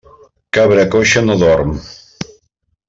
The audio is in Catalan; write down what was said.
Cabra coixa no dorm.